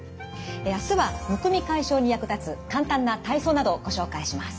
明日はむくみ解消に役立つ簡単な体操などをご紹介します。